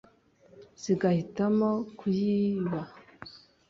zigahitamo kuyiba